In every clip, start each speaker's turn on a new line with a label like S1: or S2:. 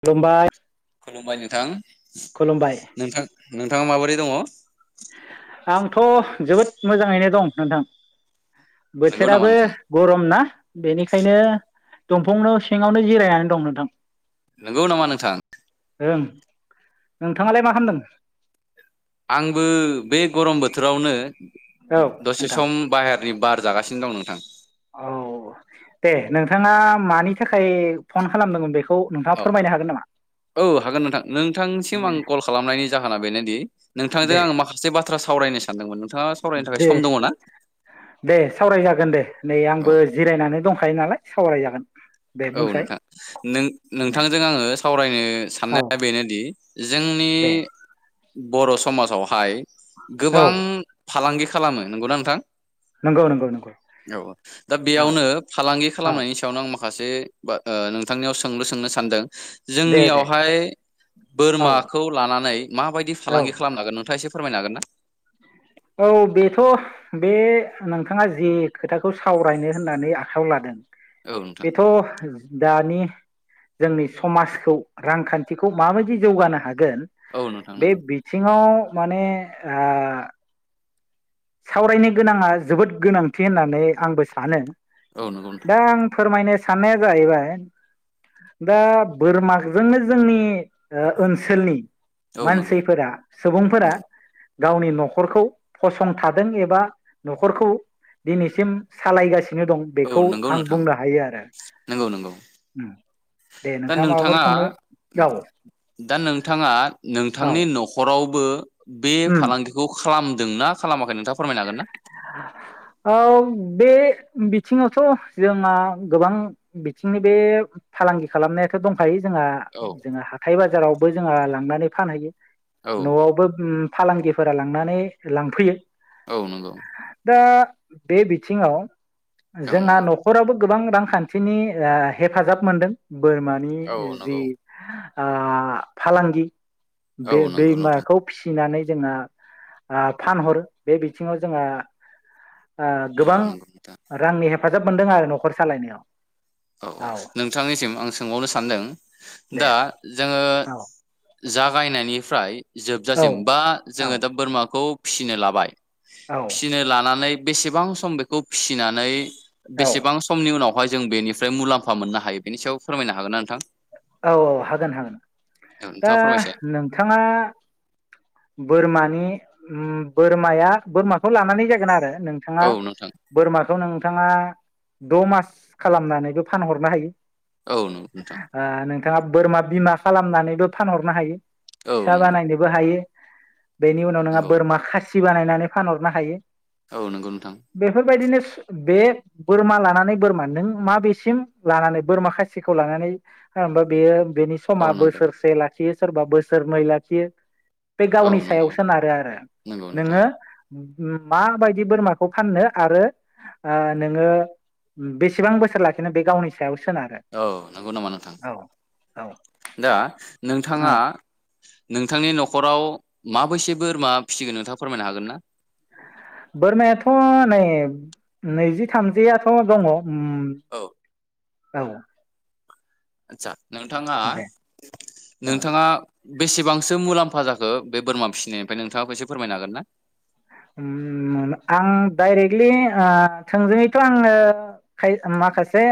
S1: खुलुमबाय।
S2: खुलुमबाय नोंथां।
S1: खुलुमबाय
S2: नोंथां नोंथाङा माबोरै दङ? [inaudible]
S1: आंथ' जोबोद मोजाङैनो दं नोंथां।
S2: नंगौ नामा
S1: बोथोराबो
S2: नोंथां
S1: गरम ना? बेनिखायनो दंफांनाव सिङावनो जिरायनानै दं नोंथां।
S2: नंगौ नामा नोंथां?
S1: ओं नोंथाङालाय मा खालामामदों?
S2: आंबो बे गरम बोथोरावनो
S1: औ
S2: दसे
S1: नोंथां
S2: सम बाहेर नि बार जागासिनो दं नोंथां।
S1: औ दे नोंथाङा मानि थाखाय फन खालामदोंमोन बेखौ नोंथाङा
S2: औ
S1: फोरमायनो हागोन नामा
S2: औ हागोन नोंथां नोंथांसिम आं कल खालामनायनि जाहोना बेनोदि नोंथांजों
S1: दे
S2: आङो माखासे बा बाथ्रा सावरायनो सानदोंमोन। नोंथाङा सावरायनो थाखाय
S1: दे
S2: सम दङ ना
S1: दे सावराय जागोन दे नै
S2: औ
S1: आंबो जिरायनानै दं। दंखायो नालाय सावरायजागोन। दे
S2: औ
S1: बुंसाय
S2: नोंथां नों
S1: दे
S2: नोंथांजों आङो सावरायनो
S1: औ
S2: साननाया बेनोदि जोंनि
S1: दे
S2: बर' समाजावहाय
S1: औ
S2: गोबां फालांगि खालामो नंगौना नोंथां?
S1: नंगौ नंगौ नंगौ
S2: औ दा
S1: औ
S2: बेयावनो फालांगि
S1: औ
S2: खालामनायनि सायावनो आं माखा माखासे नोंथांनियाव सोंलु सोंनो सानदों।
S1: दे दे
S2: जोंनियावहाय
S1: औ
S2: बोरमाखौ लानानै माबायदि
S1: औ
S2: फालांगि खालामन हागोन नोंथाङा एसे फोरमायनो हागोन ना?
S1: औ बेथ' बे नोंथाङा जे खोथाखौ सावरायनो होननानै आखायाव लादों।
S2: औ नोंथां
S1: बेथ' दानि जोंनि समाजखौ रांखान्थिखौ माबायदि जौगानो हा गोन
S2: औ नोंथां
S1: बे
S2: नंगौ
S1: बिथिङाव माने ओ सावरायनो गोनाङा जोबोद गोनांथि होननानै आंबो सानो
S2: औ नंगौ नोंथां
S1: दा आं फोरमायनो साननाया जाहैबाय दा बोरमाजोंनो जोंनि ओनसोलनि
S2: औ नंगौ
S1: मानसिफोरा सुबुंफोरा गावनि न'खरखौ फसं संथादों एबा न'खरखौ दिनैसिम सालायगासि
S2: औ नंगौ नोंथां नंगौ नंगौ
S1: उम दे
S2: दा
S1: माबाफोर
S2: नोंथाङा
S1: सोंनो औ
S2: दा नोंथाङा
S1: औ
S2: नोंथांनि न'खराव बो बे
S1: उम
S2: फालांगिखौ खालामदोंना खालामाखै नोंथाङा फोरमायनो हागोन ना?
S1: औ बे बिथिङावथ' जोंहा गोबां बिथिंनि बे फालांगि खालामनायाथ' दं खायो जोंहा
S2: औ
S1: जोंहा हाथाय बाजाराव बो जोंहा लांनानै फानहैयो।
S2: औ
S1: न'वावबो फालांगिफोरा लांनानै लांफैयो।
S2: औ नंगौ
S1: दा बे बिथिंआव
S2: औ
S1: जोंहा
S2: नंगौ
S1: न'खराबो गोबां रांखान्थिनि हेफाजाब मोनदों। बोरमानि
S2: औ
S1: जि
S2: नंगौ
S1: फालांगि
S2: औ
S1: बे
S2: नंगौ नोंथां
S1: दैमाखौ फिसिनानै जोंहा फानहरो बे बिथिङाव जोंहा
S2: औ
S1: गोबां
S2: नंगौ नोंथां
S1: रांनि हे फाजाब मोनदों आरो न'खर सालायनायाव
S2: औ औ नोंथांनिसिम आं सोंबावनो सानदों
S1: दे
S2: दा जोङो
S1: औ
S2: जागायनायनिफ्राय
S1: औ
S2: जोबजासिम बा
S1: औ
S2: जोङो दा बोरमाखौ फिसिनो लाबाय
S1: औ
S2: फिसिनो लानानै। बेसेबां सम बेखौ फिसिनानै।
S1: औ
S2: बेसेबां समनि उनाव। बेयावहाय जों बेनिफ्राय। मुलामफा मोननो हायो। फोरमायनो हागोन ना नोंथां
S1: औ औ हागोन हागोन
S2: औ
S1: दा
S2: नोंथाङा फोरमायसाय
S1: नोंथांङा बोरमानि। बोरमाया बोरमाखौ लानानै जागोन आरो। नोंथांङा
S2: औ नोंथां
S1: बोरमाखौ नोंथांङा। द मास खालामनानैबो फानहरनो हायो।
S2: औ नंगौ नोंथां।
S1: नोंथांङा बोरमा बिमा खालामनानैबो फानहरनो हायो।
S2: औ
S1: फिसा
S2: नंगौ
S1: बानायनोबो हायो। बेनि उनाव नोंहा
S2: नंगौ
S1: बोरमा खासि। खासि बानायनानै फानहरनो हायो।
S2: औ नंगौ नोंथां।
S1: बेफोरबायदिनो बे बोरमा लानानै बोरमा नों मा बेेसिम लानानै बोरमा खायसे। खासिखौ लानानै बेयो। बेनि समा
S2: औ नंगौ
S1: बोसोरसे लाखि। बे सोरबा बोसोरनै लाखियो। बे
S2: औ
S1: गावनि सायाव
S2: नंगौ
S1: सोनारो आरो
S2: नंगौ नोंथां
S1: नोंङो। माबायदि बोरमाखौ फाननो आरो नोंङो बेसेबां बोसोर लाखिनो बे गावनि सायाव सोनारो।
S2: औ नंगौ नामा नोंथां
S1: औ औ
S2: दा।
S1: औ
S2: नोंथांङा। नोंथांनि नखराव माबैसे बोरमा फिसिगोन नोंथाङा फोरमायनो हागोन ना।
S1: बोरमायाथ नै नैजि थामजिआथ दङ। उम।
S2: औ
S1: औ।
S2: आतसा नोंथाङा
S1: दे औ
S2: नोंथाङा। बेसेबांसो मुलाम्फा जाखो बे बोरमा फिसिनायनिफ्राय नोंथाङाबो एसे फोरमायनो हागोन ना।
S1: आं डाइरेक्टलि थोंजोङैथ आंङो माखासे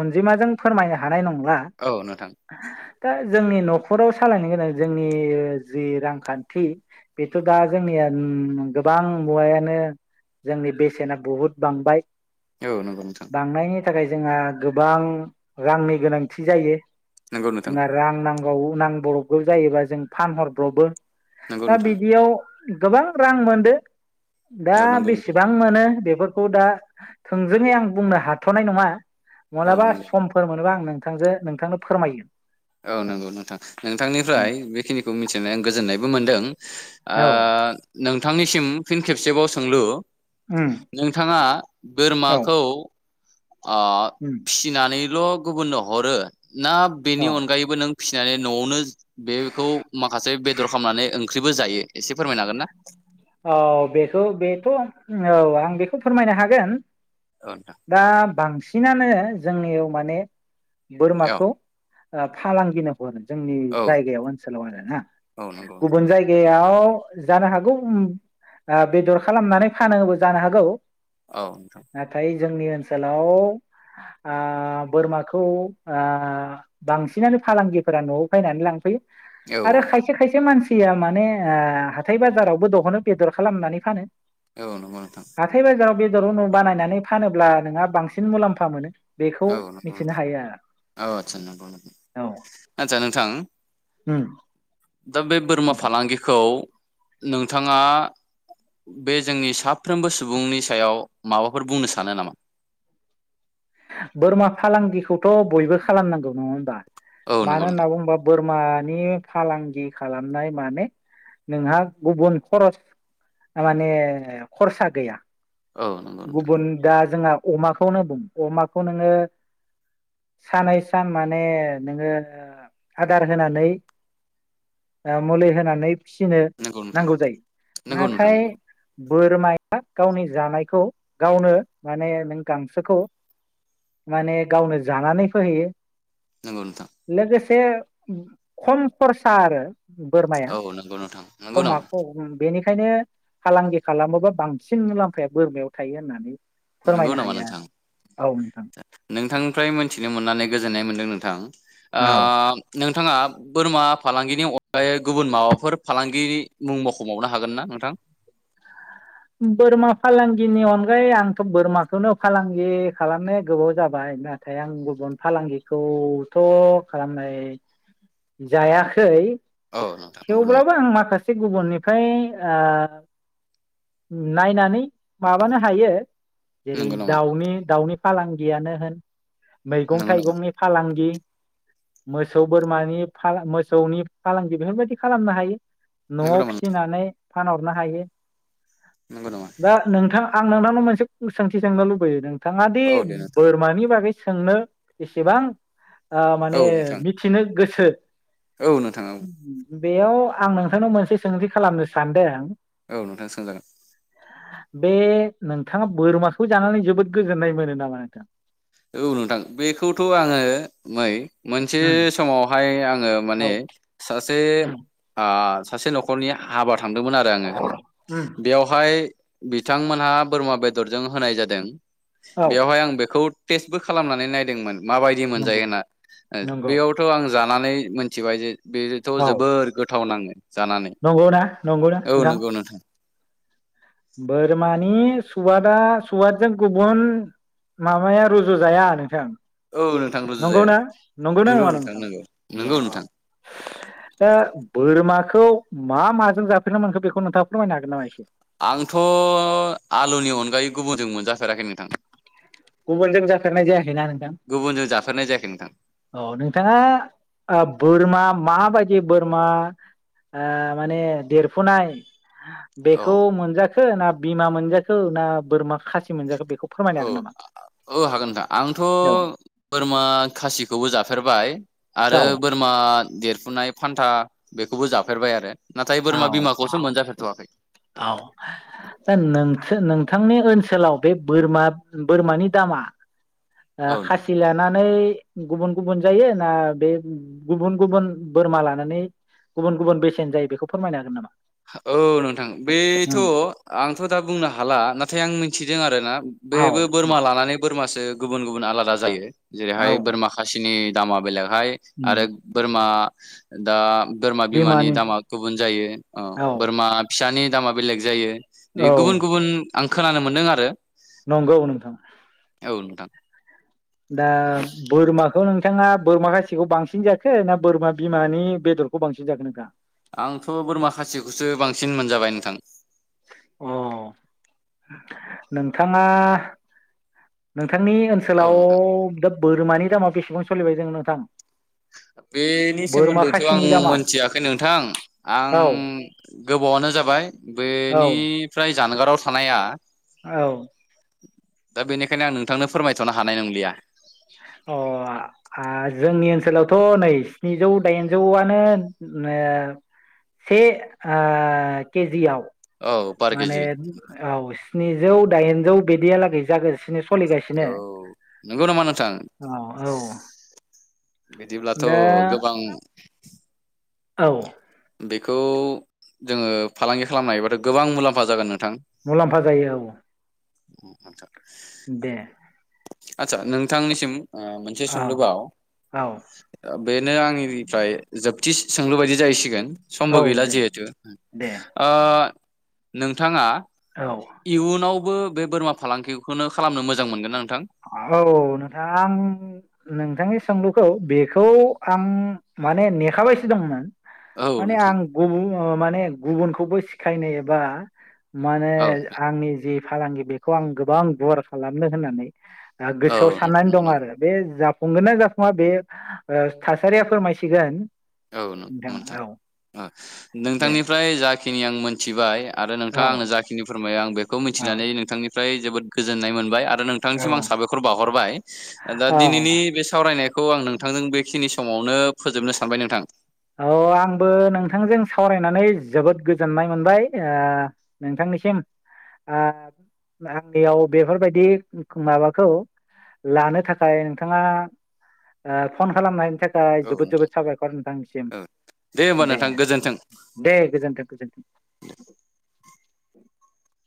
S1: अनजिमाजों फोरमायनो हानाय नंला।
S2: औ नोंथां
S1: दा। जोंनि नखराव सालायनो गोनां जोंनि जि रांखान्थि बेथ दा जोंनिया। गोबां मुवायानो जोंनि बेसेना बुहुद बांबाय।
S2: औ नंगौ नोंथां
S1: बांनायनि थाखाय। जोंहा गोबां रांनि गोनांथि जायो
S2: नंगौ नोंथां
S1: जोंहा रां नां औ‌ नांबावगौ जायोबा जों फानहरब्रबो
S2: नंगौ
S1: दा
S2: नोंथां
S1: बिदियाव गोबां रांमोन बे दा
S2: औ नंगौ नोंथां
S1: बेसेबां मोनो बेबो खौ दा थोंजोङै आं बुंनो हाथ'नाय नङा
S2: औ
S1: मालाबा
S2: नंगौ
S1: समफोर मोनोबा आं नों नोंथांजो नोंथांनो फोरमायो
S2: औ नंगौ नोंथां नोंथांनिफ्राय बेखिनिखौ मिथिनानै गोजोननायबो मोनदों आ
S1: औ
S2: नों थांनिसिम फिन खेबसेबाव सोंलु
S1: उम
S2: नोंथाङा
S1: औ
S2: बोरमाखौ आ
S1: उम
S2: फिसिनानै ल' गुबुननो हरो ना
S1: औ
S2: बेनि अनगायैबो नों फिसिनानै न'आवनो बेखौ माखासे बेदर खामनानै ओम ओंख्रिबो जायो एसे फोरमायनो हागोन ना
S1: औ बेखौ बेथ' औ आं बेखौ फोरमायनो हागोन
S2: औ नोंथां
S1: दा बांसिन बिसिनानो जोंनियाव माने
S2: औ
S1: बोरमाखौ औ फालांगिनो जोंनि
S2: औ
S1: जायगायाव ओनसोलाव आरोना
S2: औ नंगौ नोंथां
S1: गुबुन जायगायाव जानो हागौ आ बेदर खालामनानै फानोबो जानो हागौ
S2: औ नोंथां
S1: नाथाय जोंनि ओनसोलाव आ बोरमाखौ आ‌ बांसिनानो फालांगिफोरा न'आव बायनानै लांफैयो
S2: औ
S1: आरो खायसे खायसे मानसि सिया माने हाथाय बाजाराव बो दह'नो बेदर खालामनानै फानो
S2: औ नंगौ नोंथां
S1: हाथाय बाजाराव बेदर रनो बानायनानै फानोब्ला नोंहा बांसिन मुलाम्फा मोनो। बेखौ
S2: औ नंगौ
S1: मिथिनो
S2: नोंथां
S1: हायो आरो
S2: औ आथसा नंगौ नंगौ
S1: औ
S2: आथसा नोंथां।
S1: उम
S2: दा बे बोरमा
S1: नोंथां
S2: फालांगिखौ नोंथाङा बे जोंनि साफ्रोमबो सुबुंनि सायाव माबाफोर बुंनो सानो नामा?
S1: बोरमा फालांगिखौथ' बयबो खालामनांगौ नङा होमबा।
S2: औ
S1: मानो
S2: नंगौ
S1: होनना
S2: नोंथां
S1: बुंबा बोर माने फालांगि खालामनाय माने नोंहा गुबुन खरस माने खरसा गैया।
S2: औ नंगौ नोंथां
S1: गुबन दाज जोंहा अमाखौनो बुं अमाखौ नोङो सानै सान माने नोङो आदार होनानै ओ मुलि होनानै फिसिनो
S2: नंगौ नोंथां
S1: नांगौ जायो
S2: नंगौ नोंथां
S1: नाथाय
S2: नंगौ
S1: बोरमाया गावनि जानायखौ गावनो माने नों गांसोखौ माने गावनो जानानै फैहैयो।
S2: नोंगौ नोंथां।
S1: बे खम खरसा आरो बोरमाया
S2: औ नंगौ नोंथां नंगौ
S1: खमा
S2: नामा?
S1: खम बेनि ओंखायनो फालांगि खालामोबा बांसिन मुलाम्फाया बोरमायाव थायो होननानै
S2: नंगौ
S1: फोरमायनो
S2: नामा
S1: हाया।
S2: नोंथां नोंथांनिफ्राय मिथिनो मोननानै गोजोननाय मोनदों। नोंथां ओ नोंथाङा बोरमा फालांगिनि अनगायै गुबुन माबाफोर फालांगि मुं मावख'बावनो हागोन ना नोंथां?
S1: बोरमा फालांगिनि अनगायै आंथ' बोरमाखौनो फालांगि खालामनाया गोबाव जाबाय नाथाय आं गुबुन फालांगिखौथ' खालामनाय जायाखै।
S2: औ नोंथां नंगौ नामा
S1: थेवब्लाबो आं माखास से गुबुननिफ्राय ओ नायनानै माबानो हायो जेरै
S2: नंगौ नामा
S1: दाउनि दाउनि फालांगियानो होन मैगं
S2: नंगौ नामा
S1: थाइगंनि फालांगि मोसौ बोरमानि फालां मोसौनि फालांगि बेफोरबायदि खालामनो हायो।
S2: नंगौ
S1: न'आव
S2: नामा नोंथां
S1: फिसिनानै फानहरनो हायो।
S2: नंगौ नामा
S1: दा नोंथां। आं नोंथांनाव मोनसे कुइस सोंथि सोंनो लुबैयो
S2: औ
S1: दों।
S2: दे नोंथां
S1: बोरमानि बागै सोंनो बेसेबां
S2: औ
S1: माने
S2: नोंथां
S1: मिथिनो गोसो। थो
S2: औ नोंथा औ।
S1: बेयाव आं नोंथांनाव मोनसे सोंथि खालामनो सानदों।
S2: औ नोंथां सोंजागोन।
S1: बे नोंथाङा बोरमाखौ जानानै जोबोद गोजोननाय मोनो नामा नोंथां।
S2: औ नोंथां बेखौथ' आङो मै। मोनसे
S1: उम
S2: समावहाय आङो
S1: औ
S2: माने सासे
S1: उम
S2: सासे न'खरनि आबाद थांदोंमोन आरो आङो
S1: उम
S2: बेयावहाय बिथांमोनहा बोरमा बेदरजों होनाय जादों
S1: औ
S2: बेवहाय आं बेखौ टेस्टबो खालामनानै नायदोंमोन माबायदि मोनजायो
S1: नंगौ
S2: होनना
S1: नंगौ
S2: बेयावथ' आं जा। लानानै मिथिबाय जे। बेथ'
S1: औ
S2: जोबोर गोथाव नाङो जानानै
S1: नंगौना नंगौना
S2: औ
S1: नोंथां।
S2: नंगौ
S1: बोरमानि सुवादा सुवादजों गुबुन माबाया रुजुजाया नोंथां।
S2: औ नोंथां रुजु जाया
S1: नंगौना नंगौना
S2: नंगौ
S1: नङा नोंथां
S2: नंगौ नंगौ
S1: औ
S2: नोंथां
S1: दा। बोरमाखौ मा माजों जाफेरनो मोनखो बेखौ नोंथाङा फोरमायनो हागोन नामा एसे
S2: आंथ' आलुनि अनगायै गुबुनजों मोनजाफेराखै नोंथां।
S1: गुबुनजों जाफेरनाय जायाखैना नोंथां
S2: गुबुनजों जाफेरनाय जायाखै नोंथां
S1: औ नोंथाङा बोरमा माबायदि बोरमा ओ माने देरफुनाय
S2: औ
S1: बेखौ मोनजाखो ना बिमा मोनजाखो ना बोरमा खासि मोनजाखो बे बेखौ फोरमायनो हागोन
S2: औ
S1: नामा।
S2: औ हागोन नोंथां आंथ'
S1: औ
S2: बोरमा खासिखौबो जाफेरबाय आरो
S1: औ
S2: बोरमा देरफुनाय फान्था बेखौबो जाफेरबाय आरो। नाथाय बोरमा
S1: औ
S2: बिमाखौसो मोनजाफेर थ'वाखै
S1: औ नोंसो नोंथांनि ओनसोलाव बे बोरमा बोरमानि दामा ओ
S2: औ नोंथां
S1: खासि लानानै गुबुन गुबुन जायो ना बे गुबुन गुबुन बोरमा लानानै गुबुन गुबुन बेसेन जायो बेखौ फोरमायनो हागोन नामा?
S2: औ नोंथां बेथ'
S1: उम
S2: आंथ' दा बुंनो हाला नाथाय आं मिथिदों आरो ना
S1: औ
S2: बेबो बोरमा लानानै फोरमासो गुबुन गुबुन आलादा जायो
S1: औ
S2: जेरैहाय बोरमा खाासिनि दामा बेलेग हाय आरो
S1: उम
S2: बोरमा दा बोरमा बिमानि दामा गुबुन जायो औ बोरमा फिसानि नि दामा बेलेग जायो। बि
S1: औ
S2: गुबुन गुबुन आं खोनानो मोन्दों आरो
S1: नंगौ नोंथां।
S2: औ नोंथां।
S1: दा बोरमाखौ नोंथाङा बोरमा खासिखौ बांसिन जाखो ना बोरमा बिमानि बेदरखौ बांसिन जाखो नोंथाङा?
S2: आंथ' बोरमा खासिखौसो बांसिन मोनजाबाय नोंथां।
S1: अ नोंथाङा नो थांनि
S2: औ
S1: ओनसोलाव
S2: नोंथां
S1: दोब बोरमानि दामा बेसेबां सोलिबाय जोङो नोंथां?
S2: बेनि
S1: बोरमा
S2: सोमोन्दैथ' आं
S1: खासिनि दामा
S2: मोनथियाखै नोंथां आं
S1: औ
S2: गोबावानो जाबाय।
S1: औ
S2: बेनिफ्राय जानगाराव थानाया
S1: औ
S2: दा बेनिखायनो आं नोंथांनो फोरमायथ'नो हानाय नंलिया
S1: अ आ जोंनि ओनसोलावथ' नै स्निजौ दाइनजौवानो ओ से ओ केजियाव।
S2: औ फार
S1: माने
S2: केजि
S1: औ स्निजौ दाइनजौ बिदियालागै जागोनस दिनो सोलिगासिनो
S2: औ नंगौ नामा नोंथां
S1: औ औ
S2: बिदिब्लाथ'
S1: दा
S2: गोबां
S1: औ
S2: बेखौ जोङो फालांगि खालामनो हायोबाथ' गोबां मुलाम्फा जागोन नोंथां
S1: मुलाम्फा जायो औ
S2: उम आतसा
S1: दे
S2: आदसा नोंथांनिसिम ओ मोनसे
S1: औ
S2: सोंलुबाव
S1: औ
S2: बेनो आंनिफ्राय जोब दिस सोंलु बायदि जाहैसिगोन। समबो
S1: औ
S2: गैला
S1: दे
S2: जिहेथु
S1: दे
S2: ओ नोंथाङा
S1: औ
S2: इयुनावबो बे बोरमा फालांगिखौनो खालामनो मोजां मोनगोन ना नोंथां?
S1: औ नोंथां नोंथांनि सोंलुखौ बेखौ आं माने नेखाबायसो दंमोन।
S2: औ
S1: माने
S2: नोंथां
S1: आं गुबुन ओ माने गुबुनखौबो सिखायनो एबा माने
S2: औ
S1: आंनि जि फालांगि बेखौ आं गोबां गुवार खालामनो होननानै
S2: औ
S1: गोसोआव
S2: नोंथां
S1: साननानै दं
S2: नोंगौ
S1: आरो बे जा फुंगोना जाफुङा बे ओ थासारिया फोरमायसिगोन।
S2: औ नोंथां ओ
S1: दे
S2: नोंथांनिफ्राय जा खिनि आं मोन मिथिबाय आरो
S1: औ
S2: नोंथाङा आंनो जाखिनि फोरमायो आं बेखौ
S1: औ
S2: मिथिनानै नोंथांनिफ्राय जोबोद गोजोननाय मोनबाय आरो
S1: औ
S2: नोंथांनिसिम आं साबायखर बावहरबाय दा
S1: औ
S2: दिनैनि बे सावरायनायख खौ आं नोंथांजों बेखिनि समावनो फोजोबनो सा आमफाय नोंथां
S1: अ आंबो नोंथांजों सावरायनानै जोबोद गोजोननाय मोनबाय ओ नोंथांनिसिम ओ आंनियाव बेफोरबायदि माबाखौ लानो थाखाय नोंथाङा ओ फन खालामनायनि थाख खाय
S2: औ
S1: जोबोद जोबोद
S2: नोंथां
S1: साबायखर नोंथां
S2: औ दे ओमबा नोंथां गोजोन्थों।
S1: दे [inaudible]